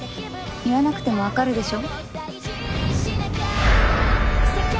言わなくても分かるでしょ